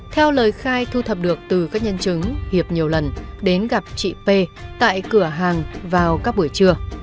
theo lời khai thu thập được từ các nhân chứng hiệp nhiều lần đến gặp chị p tại cửa hàng vào các buổi trưa